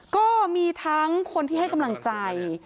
ก็มีทั้งคนที่ให้กำลังใจ